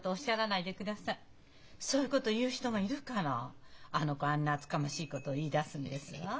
そういうこと言う人がいるからあの子あんな厚かましいことを言いだすんですわ。